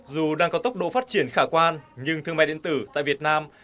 dù đang có tốc độ phát triển khả quan nhưng thương mại điện tử tại việt nam